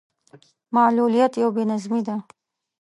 معلوليت يو بې نظمي ده.